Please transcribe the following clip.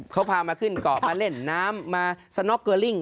เขาพามาขึ้นเกาะมาเล่นน้ำมาสน็อกเกอร์ลิ่ง